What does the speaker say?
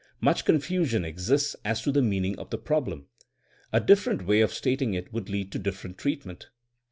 Much confusion exists as to the meaning of the problem. A different way of stating it would lead to different treatment.